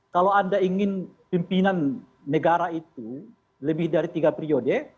kalau anda ingin pimpinan negara itu lebih dari tiga periode